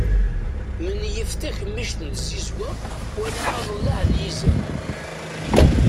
Menyif takemmict n tzizwa wala aḍellaɛ n yizan.